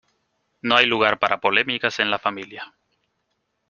No hay lugar para polémicas en la familia.